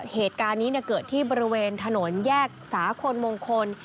เหตุการณ์นี้เกิดที่บริเวณถนนแยกสาคลมงคล